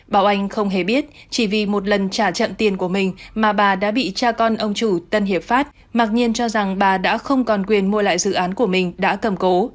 bảo anh không hề biết chỉ vì một lần trả chậm tiền của mình mà bà đã bị cha con ông chủ tân hiệp pháp mặc nhiên cho rằng bà đã không còn quyền mua lại dự án của mình đã cầm cố